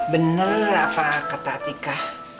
bener apa kata tika